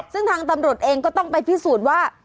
ซึ่งทางตำรวจเองก็ต้องไปพิสูจน์ว่า